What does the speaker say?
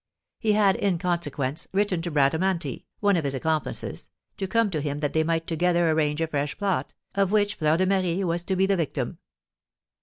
He had, in consequence, written to Bradamanti, one of his accomplices, to come to him that they might together arrange a fresh plot, of which Fleur de Marie was to be the victim.